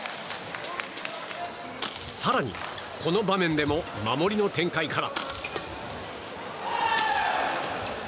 更に、この場面でも守りの展開から。